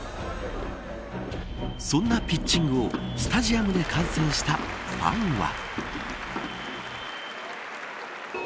そんなピッチングをスタジアムで観戦したファンは。